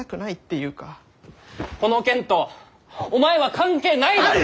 この件とお前は関係ないだろう！？